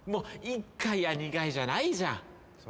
１回や２回じゃないじゃん。